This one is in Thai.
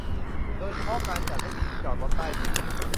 โดยเฉพาะการจัดให้มีที่จอดรถใต้ดิน